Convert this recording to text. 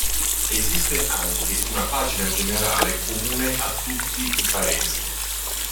Esiste anche una pagina generale comune a tutti i paesi.